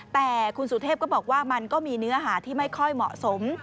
แต่คุณสุเทพก็บอกว่ามันก็มีเนื้อหาที่ไม่ค่อยเหมาะสม